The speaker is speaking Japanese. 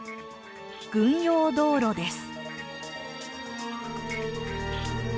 軍用道路です。